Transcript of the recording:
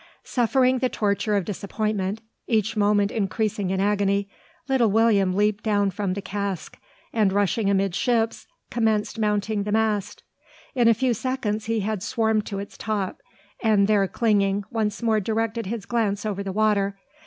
Suffering the torture of disappointment, each moment increasing in agony, little William leaped down from the cask; and, rushing amidships, commenced mounting the mast. In a few seconds he had swarmed to its top: and, there clinging, once more directed his glance over the water.